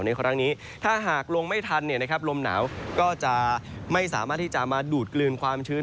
ในข้อตั้งนี้ถ้าหากลงไม่ทันนะครับลมหนาวก็ไม่สามาราคาดูดกลืนความชื้น